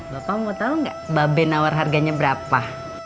bapak mau tau gak babe nawar harganya berapa